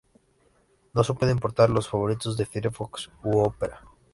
No se pueden importar los favoritos de Firefox u Ópera.